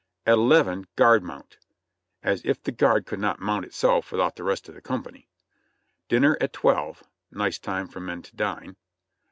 At eleven, guard mount ! ("As if the guard could not mount itself without the rest of the company.") Dinner at twelve. ("Nice time for men to dine!")